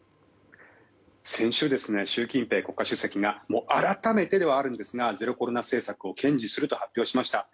先週、習近平国家主席が改めてではありますがゼロコロナ政策を堅持すると発表しました。